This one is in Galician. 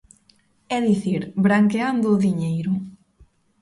É dicir, branqueando o diñeiro.